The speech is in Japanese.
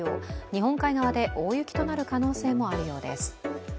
日本海側で大雪となる可能性もあようです。